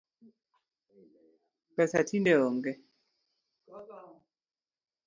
Pesa tinde onge